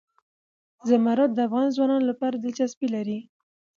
زمرد د افغان ځوانانو لپاره دلچسپي لري.